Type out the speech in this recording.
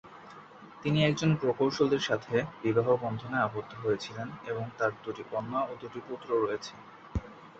তিনি একজন প্রকৌশলীর সাথে বিবাহবন্ধনে আবদ্ধ হয়েছিলেন এবং তার দুটি কন্যা ও দুটি পুত্র রয়েছে।